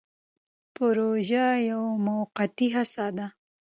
پروژه یوه موقتي هڅه ده